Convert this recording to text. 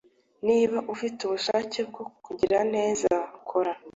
niba ufite ubushake bwo kugira neza, kora